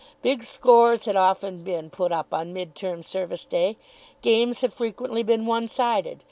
Big scores had often been put up on Mid term Service day. Games had frequently been one sided.